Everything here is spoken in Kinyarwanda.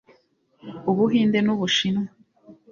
Ubuhinde n'Ubushinwa